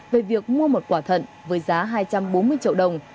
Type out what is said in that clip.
về việc mua một quả thận với giá hai trăm bốn mươi triệu đồng